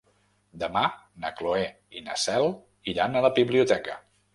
Demà na Cloè i na Cel iran a la biblioteca.